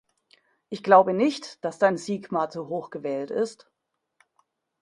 Ich glaube nicht, dass dein Sigma zu hoch gewählt ist.